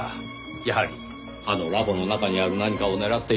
やはりあのラボの中にある何かを狙っていたとしか思えません。